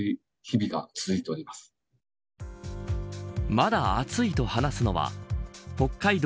まだ暑いと話すのは北海道